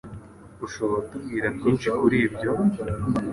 Ushobora kutubwira byinshi kuri ibyo?